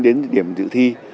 đến điểm dự thi